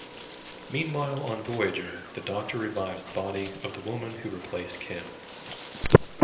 Meanwhile on "Voyager", the Doctor revives the body of the woman who replaced Kim.